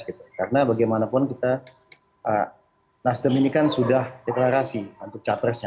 karena bagaimanapun nasdem ini kan sudah deklarasi untuk cawa presnya